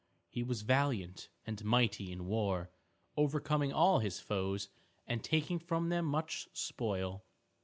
He was valiant and mighty in war, overcoming all his foes and taking from them much spoil.